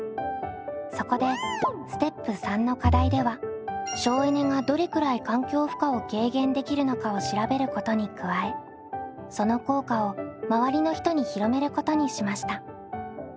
そこでステップ③の課題では省エネがどれくらい環境負荷を軽減できるのかを調べることに加えその効果をまわりの人に広めることにしました。